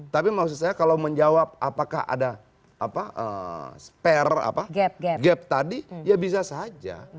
tapi maksud saya kalau menjawab apakah ada spare gap tadi ya bisa saja